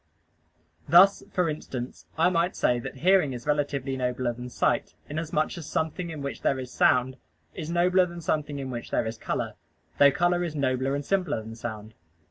Thus, for instance, I might say that hearing is relatively nobler than sight, inasmuch as something in which there is sound is nobler than something in which there is color, though color is nobler and simpler than sound.